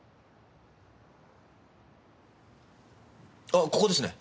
あっここですね。